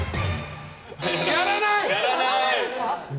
やらない！